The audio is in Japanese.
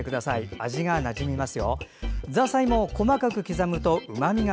味がなじみます。